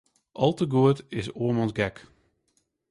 Al te goed is oarmans gek.